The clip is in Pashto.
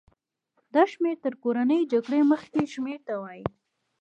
دا شمېر تر کورنۍ جګړې مخکې شمېرې ته ورته و.